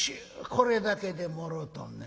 これだけでもろうとんねん。